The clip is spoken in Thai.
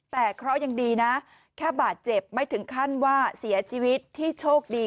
แต่เคราะห์ยังดีนะแค่บาดเจ็บไม่ถึงขั้นว่าเสียชีวิตที่โชคดี